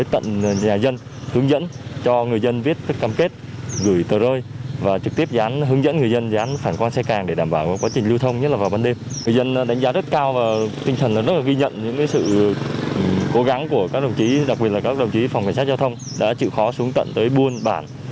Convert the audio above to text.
từ cố gắng của các đồng chí đặc biệt là các đồng chí phòng cảnh sát giao thông đã chịu khó xuống tận tới buôn bản